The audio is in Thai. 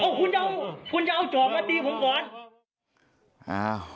อ้าวคุณจะเอาคุณจะเอาจอกมาดีกว่าน